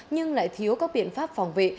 nhưng lại thiếu các biện pháp phòng vệ